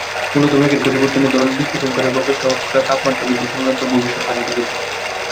মূলত মেঘের পরিবর্তনের ধরন বিশ্লেষণ করে গবেষকেরা তাপমাত্রা বৃদ্ধিসংক্রান্ত ভবিষ্যদ্বাণীটি করেছেন।